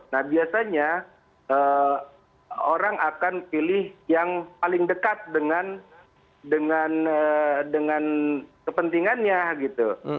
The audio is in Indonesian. nah biasanya orang akan pilih yang paling dekat dengan kepentingannya gitu